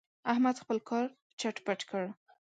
احمد خپل کار چټ پټ کړ.